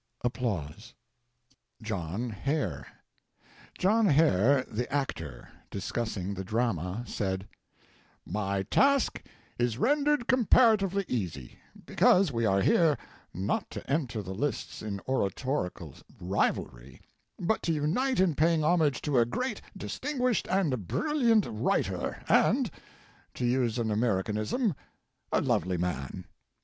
JOHN HARE. John Hare, the actor, discussing the drama, said: "My task is rendered comparatively easy because we are not here to enter the lists in oratorical rivalry, but to unite in paying homage to a great distinguished and brilliant writer and to use an Americanism a lovely man.